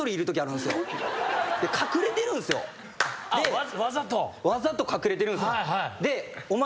たまに。わざと。わざと隠れてるんすよ。